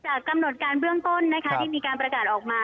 กำหนดการเบื้องต้นนะคะที่มีการประกาศออกมา